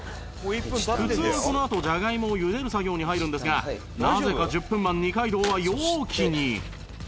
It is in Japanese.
普通はこのあとじゃがいもを茹でる作業に入るんですがなぜか１０分マン二階堂は容器に